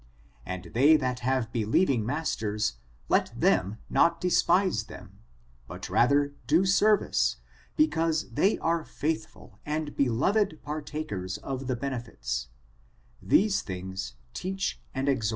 And they that have believ* ing masters, let them not despise them, but rather do service, because they are faithful and beloved partak* ers of the benefits : these things teach and exhort.